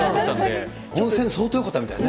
温泉、相当よかったみたいね。